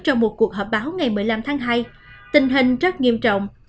trong một cuộc họp báo ngày một mươi năm tháng hai tình hình rất nghiêm trọng